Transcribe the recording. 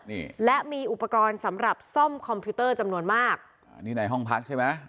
นี่และมีอุปกรณ์สำหรับซ่อมคอมพิวเตอร์จำนวนมากอ่านี่ในห้องพักใช่ไหม